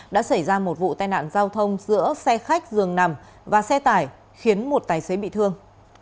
đã xảy ra một vụ tai nạn giao thông giữa xe khách dường nằm và xe tải khiến một tài xế bị thương